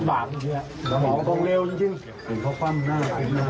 อ่ารองเท้ารองเท้ารองเท้ารองเท้ารองเท้า